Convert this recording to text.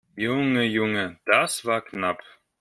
Junge, Junge, das war knapp!